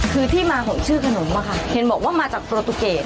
คือที่มาของชื่อขนมอะค่ะเห็นบอกว่ามาจากโปรตูเกต